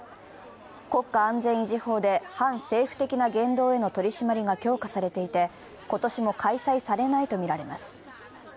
国家安全維持法で反政府的な言動への取り締まりが強化されていて今年も開催されないとみられます。